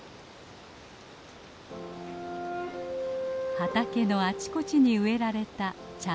畑のあちこちに植えられたチャノキ。